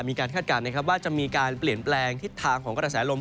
คาดการณ์นะครับว่าจะมีการเปลี่ยนแปลงทิศทางของกระแสลม